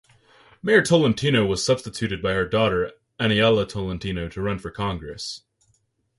Mayor Tolentino was substituted by her daughter Aniela Tolentino to run for Congress.